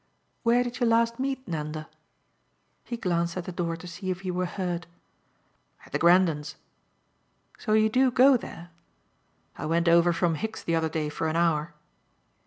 "Where did you last meet Nanda?" He glanced at the door to see if he were heard. "At the Grendons'." "So you do go there?" "I went over from Hicks the other day for an hour."